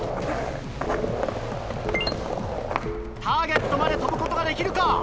ターゲットまで跳ぶことができるか？